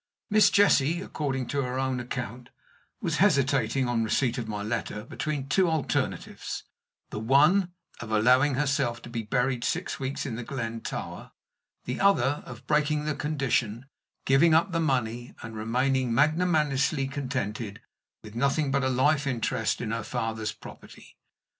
Miss Jessie, according to her own account, was hesitating, on receipt of my letter, between two alternatives the one, of allowing herself to be buried six weeks in The Glen Tower; the other, of breaking the condition, giving up the money, and remaining magnanimously contented with nothing but a life interest in her father's property.